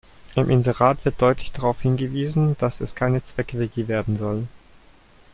Im Inserat wird deutlich darauf hingewiesen, dass es keine Zweck-WG werden soll.